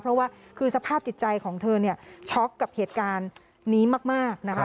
เพราะว่าคือสภาพจิตใจของเธอเนี่ยช็อกกับเหตุการณ์นี้มากนะคะ